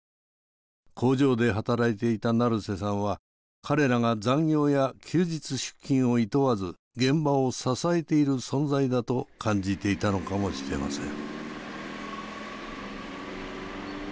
工場で働いていた成瀬さんは彼らが残業や休日出勤をいとわず現場を支えている存在だと感じていたのかもしれません。